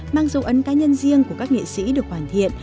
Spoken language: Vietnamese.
mang dấu ấn cá nhân riêng của các nghệ sĩ được hoàn thiện